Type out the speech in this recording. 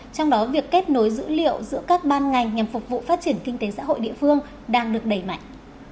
trong đó việc kết nối dữ liệu giữa các ban ngành nhằm phục vụ phát triển kinh tế xã hội địa phương đang được đẩy mạnh